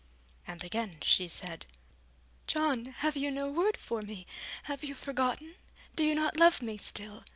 And again she said: 'John, have you no word for me? have you forgotten? do you not love me still?